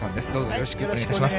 よろしくお願いします。